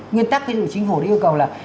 nguyên tắc chính phủ yêu cầu là